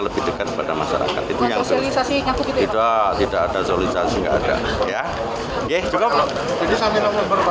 diperhatikan pada masyarakat itu yang selesai tidak ada solusinya ada ya ya cukup itu sampai